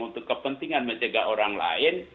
untuk kepentingan menjaga orang lain